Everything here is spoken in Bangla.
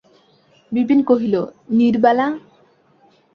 বিপিন কহিল, নীরবালা!